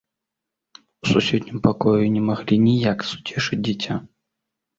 У суседнім пакоі не маглі ніяк суцешыць дзіця.